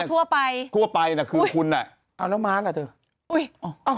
ทั่วไปทั่วไปน่ะคือคุณน่ะเอาน้องม้าล่ะเถอะอุ้ยอ้าว